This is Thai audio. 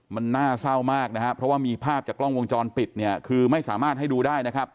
มันน่าเศร้ามากนะครับเพราะว่ามีภาพจากกล้องวงจรปิดเนี่ยคือไม่สามารถให้ดูได้นะครับ